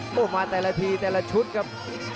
โอ้โหมาแต่ละทีแต่ละชุดครับ